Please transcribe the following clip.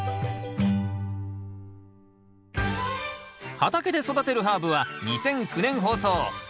「畑で育てるハーブ」は２００９年放送うん！